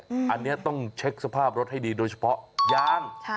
อันนี้ต้องเช็คสภาพรถให้ดีโดยเฉพาะยาง